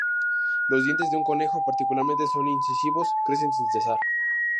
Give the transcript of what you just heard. Los dientes de un conejo, particularmente sus incisivos, crecen sin cesar.